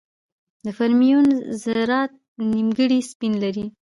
د فرمیون ذرات نیمګړي سپین لري.